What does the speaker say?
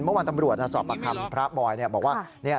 เมื่อวานตำรวจสอบประคำพระบอยบอกว่า